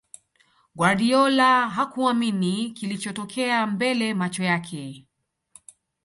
guardiola hakuamini kilichotokea mbele macho yake